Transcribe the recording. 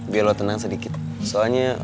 biar lo tenang sedikit soalnya